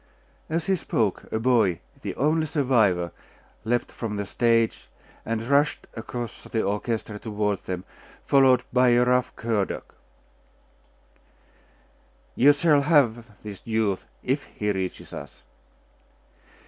As he spoke, a boy, the only survivor, leaped from the stage, and rushed across the orchestra toward them, followed by a rough cur dog. 'You shall have this youth, if he reaches us.